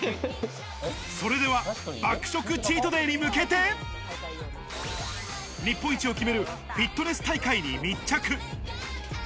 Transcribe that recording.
それでは爆食チートデイに向けて、日本一を決めるフィットネス大会に密着。